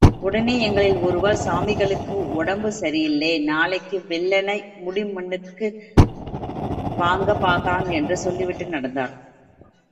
உடனே எங்களில் ஒருவர், சாமிங்களுக்கு ஒடம்புசரியில்லே, நாளைக்குவெள்ளென முடிமன்னுக்கு வாங்க பாக்கலாம் என்று சொல்லிவிட்டு நடந்தார்.